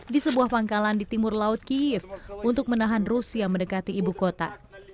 di sebuah pangkalan di timur laut kiev untuk menahan rusia mendekati ibu kota